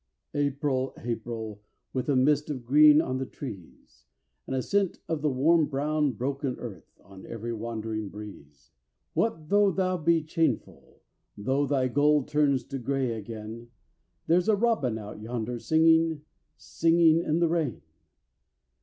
April! April! With a mist of green on the trees And a scent of the warm brown broken earth On every wandering breeze; What, though thou be changeful, Though thy gold turns to grey again, There's a robin out yonder singing, Singing in the rain.